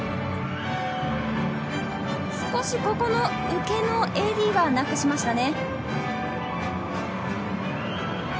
少しここの受けのＡＤはなくしましたね。